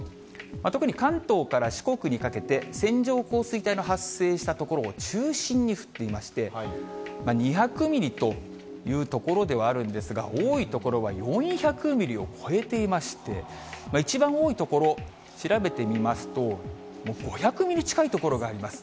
特に関東から四国にかけて、線状降水帯の発生した所を中心に降っていまして、２００ミリというところではあるんですが、多い所は４００ミリを超えていまして、一番多い所、調べてみますと、もう５００ミリ近い所があります。